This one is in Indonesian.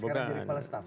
sekarang jadi palestaf